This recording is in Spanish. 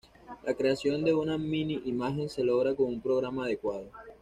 La creación de una mini-imagen se logra con un programa adecuado.